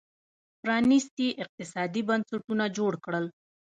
پرانېستي اقتصادي بنسټونه جوړ کړل